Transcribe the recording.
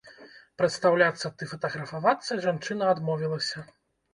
Прадстаўляцца ды фатаграфавацца жанчына адмовілася.